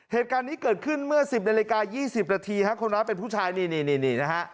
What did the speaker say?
เหตุการณ์นี้เกิดขึ้นเมื่อ๑๐นาฬิกา๒๐นาทีฮะคนร้ายเป็นผู้ชายนี่นี่นะฮะ